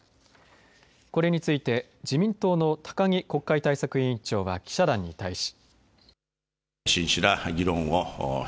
これについて自民党の高木国会対策委員長は記者団に対し。